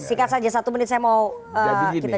sikat saja satu menit saya mau kita cita